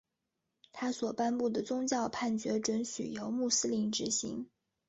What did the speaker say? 他所颁布的宗教判决准许由穆斯林执行。